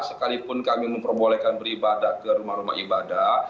sekalipun kami memperbolehkan beribadah ke rumah rumah ibadah